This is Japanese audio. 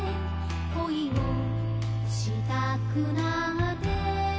「恋をしたくなって」